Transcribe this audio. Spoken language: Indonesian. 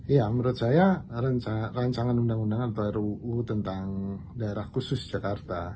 ya menurut saya rancangan undang undang atau ruu tentang daerah khusus jakarta